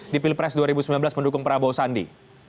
di pilpres dua ribu sembilan belas mendukung prabowo sandi